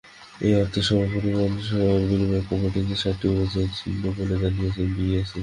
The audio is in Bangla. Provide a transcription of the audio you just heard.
এই অর্থের সমপরিমাণ শেয়ারের বিনিময়ে কোম্পানিটি সাতটি উড়োজাহাজ কিনবে বলে জানিয়েছে বিএসইসি।